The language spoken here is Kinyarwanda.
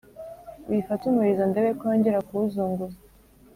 uyifate umurizo ndebe ko yongera kuwuzunguza